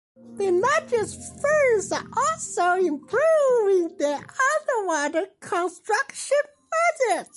The largest firms are also improving their underwater construction methods.